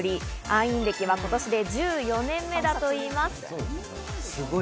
愛飲歴は今年で１４年目だといいます。